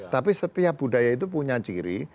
tapi setiap budaya itu punya ciri